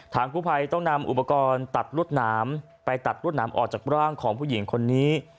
ผู้ภัยต้องนำอุปกรณ์ตัดรวดหนามไปตัดรวดหนามออกจากร่างของผู้หญิงคนนี้